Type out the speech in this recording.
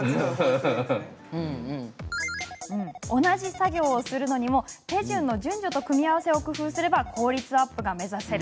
同じ作業をするのにも手順の順序と組み合わせを工夫すれば効率アップが目指せる。